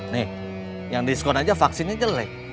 nih yang diskon aja vaksinnya jelek